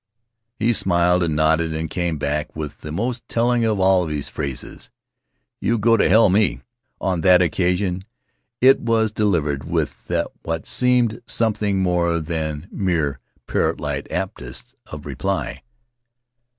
He smiled and nodded, and came back with the most telling of all his phrases, "You go to hell, me." On that occasion it was delivered with what seemed something more than mere parrotlike aptness of reply.